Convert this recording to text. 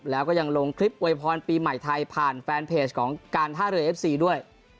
แล้วก็ยังลงคลิปอวยพรปีใหม่ไทยผ่านแฟนเพจของการท่าเรือเอฟซีด้วย